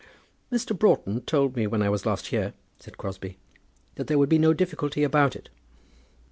"Mr. Broughton told me when I was last here," said Crosbie, "that there would be no difficulty about it."